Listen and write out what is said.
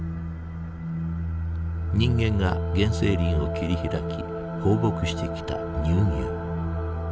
人間が原生林を切り開き放牧してきた乳牛。